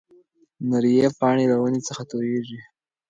نورې پاڼې له ونې څخه تويېږي.